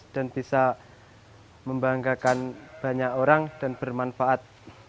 dan bisa membanggakan banyak orang dan bermanfaat